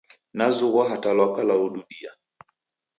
Nazughwa hata lwaka lwaududia.